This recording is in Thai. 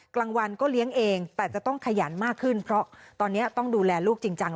กลางวันก็เลี้ยงเองแต่จะต้องขยันมากขึ้นเพราะตอนนี้ต้องดูแลลูกจริงจัง